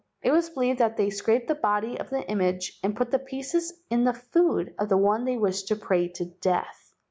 It was believed that they scraped the body of the image and put the pieces in the food of the one they wished to pray to death.